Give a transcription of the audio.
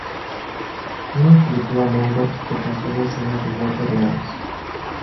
Una película mondo que contiene escenas de muerte reales.